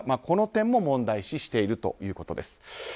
この点も問題視しているということです。